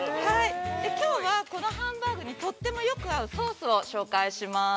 きょうは、このハンバーグにとてもよく合うソースを紹介します。